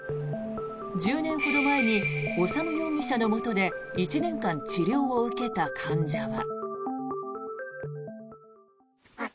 １０年ほど前に修容疑者のもとで１年間治療を受けた患者は。